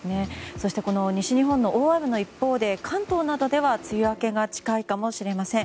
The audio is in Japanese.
この西日本の大雨の一方で関東などでは梅雨明けが近いかもしれません。